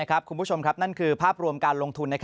คุณผู้ชมครับนั่นคือภาพรวมการลงทุน